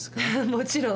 もちろん。